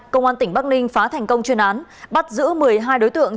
công an tỉnh bắc ninh phá thành công chuyên án bắt giữ một mươi hai đối tượng